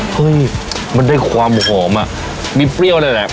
เฮ้ยมันได้ความหอมอ่ะมีเปรี้ยวเลยแหละ